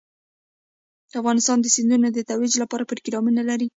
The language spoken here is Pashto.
افغانستان د سیندونه د ترویج لپاره پروګرامونه لري.